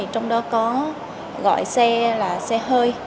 trong đó có gọi xe là xe hơi